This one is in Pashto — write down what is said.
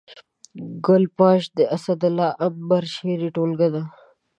ګل پاش د اسدالله امبر شعري ټولګه ده